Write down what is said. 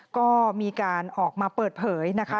ก็มีการออกมาเปิดเผยนะคะ